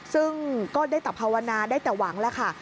ซึ่งก็ได้แต่ภาวนาได้แต่หวังแล้วค่ะ